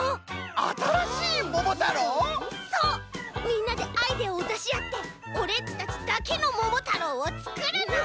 みんなでアイデアをだしあってオレっちたちだけの「ももたろう」をつくるの！